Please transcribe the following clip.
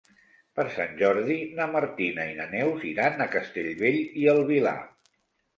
Per Sant Jordi na Martina i na Neus iran a Castellbell i el Vilar.